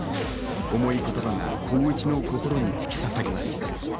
重い言葉が光一の心に突き刺さります。